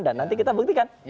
dan nanti kita buktikan